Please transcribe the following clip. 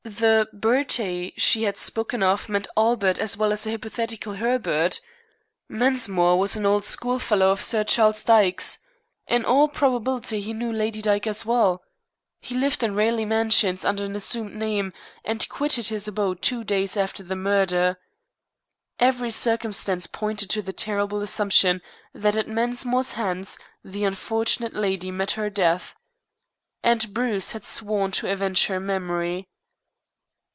The "Bertie" she had spoken of meant Albert as well as a hypothetical Herbert. Mensmore was an old schoolfellow of Sir Charles Dyke's. In all probability he knew Lady Dyke as well. He lived in Raleigh Mansions under an assumed name, and quitted his abode two days after the murder. Every circumstance pointed to the terrible assumption that at Mensmore's hands the unfortunate lady met her death. And Bruce had sworn to avenge her memory!